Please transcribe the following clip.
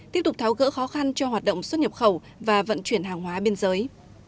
tiếp tục tháo gỡ khó khăn cho hoạt động xuất nhập khẩu và vận chuyển hàng hóa biên giới